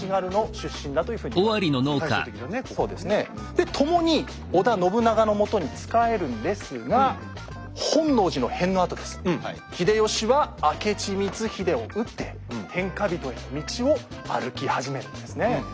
で共に織田信長の下に仕えるんですが本能寺の変のあとです秀吉は明智光秀を討って天下人への道を歩き始めるんですね。